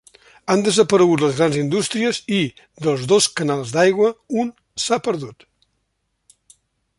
Han desaparegut les grans indústries i, dels dos canals d'aigua, un s'ha perdut.